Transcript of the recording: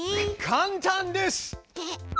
簡単です！